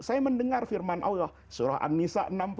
saya mendengar firman allah surah an nisa